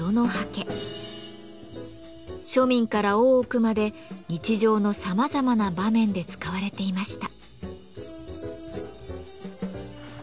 庶民から大奥まで日常のさまざまな場面で使われていました。